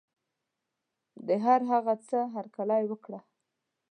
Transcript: د هر هغه څه هرکلی وکړه.